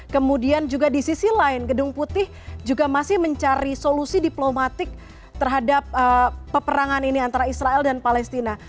kemudian juga di sisi lain gedung putih juga masih mencari solusi diplomatik terhadap peperangan ini antara israel dan palestina